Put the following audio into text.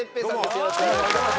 よろしくお願いします。